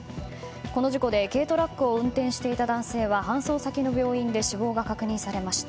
この事故で軽トラックを運転していた男性が搬送先の病院で死亡が確認されました。